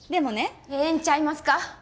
ええんちゃいますか？